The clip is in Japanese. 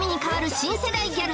新世代ギャル